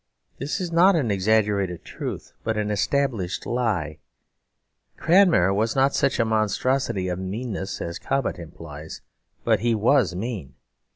This is not an exaggerated truth, but an established lie. Cranmer was not such a monstrosity of meanness as Cobbett implies; but he was mean.